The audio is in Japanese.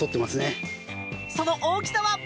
その大きさは。